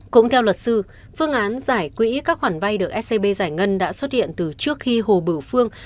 cũng theo luật sư phương án giải quỹ các khoản vay được scb giải ngân đã xuất hiện từ trước khi hồ bửu phương